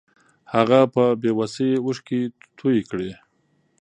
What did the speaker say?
هغه په بې وسۍ اوښکې توې کړې.